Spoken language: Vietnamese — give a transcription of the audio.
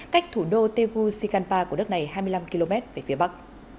cách thủ đô tegushikhanpa của đất này hai mươi năm km về phía bắc